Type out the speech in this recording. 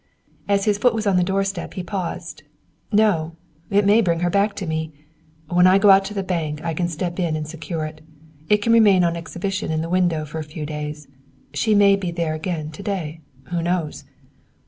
As his foot was on the doorstep he paused. "No! It may bring her back to me! When I go out to the bank I can step in and secure it. It can remain on exhibition in the window for a few days. She may be there again to day, who knows?"